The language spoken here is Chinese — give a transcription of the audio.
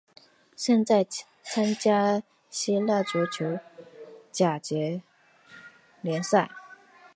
现在参加希腊足球甲级联赛。